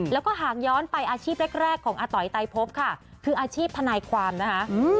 แล้วก็หากย้อนไปอาชีพแรกของอาต๋อยไตพบค่ะคืออาชีพทนายความนะคะ